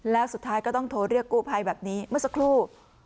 แล้วสุดท้ายก็ต้องโทรเรียกกู้ภัยแบบนี้เมื่อสักครู่